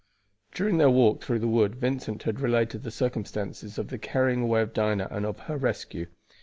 During their walk through the wood Vincent had related the circumstances of the carrying away of Dinah and of her rescue.